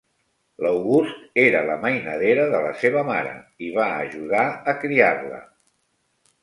L'August era la mainadera de la seva mare i va ajudar a criar-la.